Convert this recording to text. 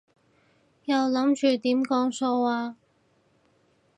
又諗住點講數啊？